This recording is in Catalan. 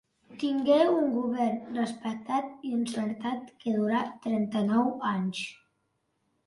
Tingué un govern respectat i encertat que durà trenta-nou anys.